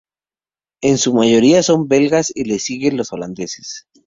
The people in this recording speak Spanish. En su mayoría son belgas y le siguen los holandeses.